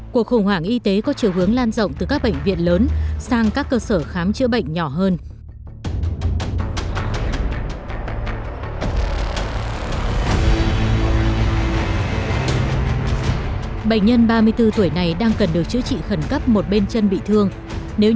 cuộc khủng hoảng y tế có chiều hướng lan rộng từ các bệnh viện lớn sang các cơ sở khám chữa bệnh nhỏ hơn